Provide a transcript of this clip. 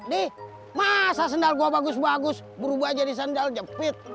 nih masa sendal gue bagus bagus berubah jadi sandal jepit